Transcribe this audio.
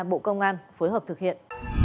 bộ công an phối hợp thực hiện